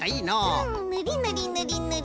うんぬりぬりぬりぬり。